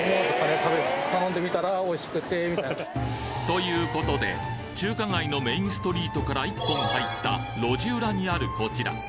ということで中華街のメインストリートから一本入った路地裏にあるこちら。